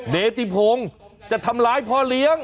นิติพงศ์จะทำร้ายพ่อเลี้ยง